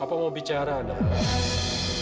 papa mau bicara nah